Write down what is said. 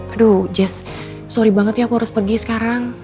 aduh jas sorry banget ya aku harus pergi sekarang